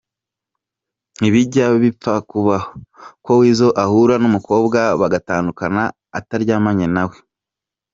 Ntibijya bipfa kubaho ko Weasel ahura n’umukobwa bagatandukana ataryamanye na we.